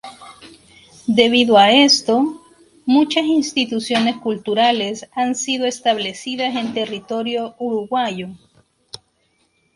Debido a esto, muchas instituciones culturales han sido establecidas en territorio uruguayo.